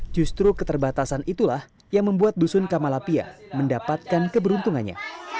justru keterbatasan itulah yang membuat dusun kamalapia mendapatkan keberuntungannya